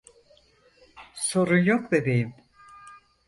Sorun yok bebeğim.